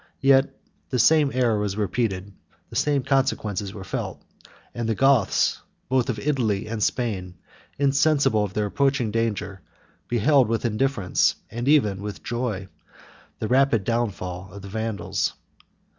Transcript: Yet the same error was repeated, the same consequences were felt, and the Goths, both of Italy and Spain, insensible of their approaching danger, beheld with indifference, and even with joy, the rapid downfall of the Vandals.